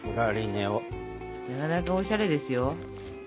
なかなかおしゃれですよ。